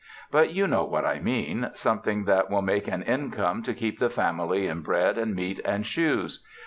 But you know what I mean, something that will make an income to keep the family in bread and meat and shoes.